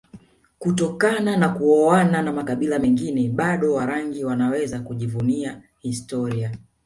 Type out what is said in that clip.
kutokana na kuoana na makabila mengine bado Warangi wanaweza kujivunia historia